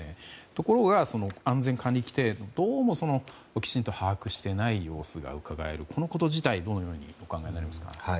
ところが、安全管理規程どうもきちんと把握していない様子がこのこと自体をどのようにお考えになりますか？